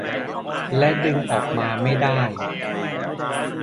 และดึงออกมาไม่ได้